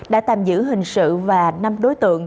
đã tạm giữ hình sự và năm đối tượng